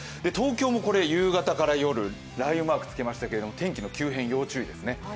東京も夕方から夜、雷雨マークつけましたけど天気の急変、要注意ですね。